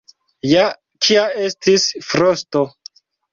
Ja kia estis frosto.